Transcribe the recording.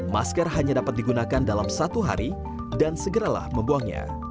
masker hanya dapat digunakan dalam satu hari dan segeralah membuangnya